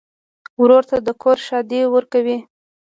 ورور ته د کور ښادي ورکوې.